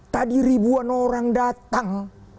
tadi ribuan orang datang